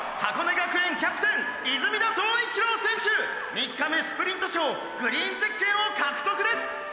３日目スプリント賞グリーンゼッケンを獲得です！！」